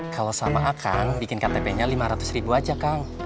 kalau sama akang bikin ktp nya lima ratus ribu aja kang